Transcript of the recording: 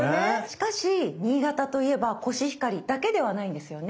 しかし新潟といえばコシヒカリだけではないんですよね。